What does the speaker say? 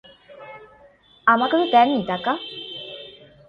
আমাকে তো দেননি টাকা!